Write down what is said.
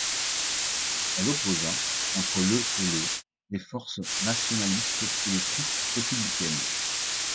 Elle opposa, entre le et le les forces nationalistes et les troupes républicaines.